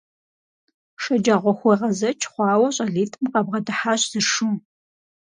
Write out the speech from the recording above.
ШэджагъуэхуегъэзэкӀ хъуауэ щӀалитӀым къабгъэдыхьащ зы шу.